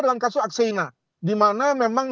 dengan kasus aksena dimana memang